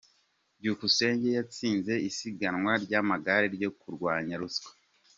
Byukusenge yatsinze isiganwa ry’amagare ryo kurwanya ruswa